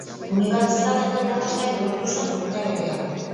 Unibertsitateko irakasle bihurtu zen urte berean.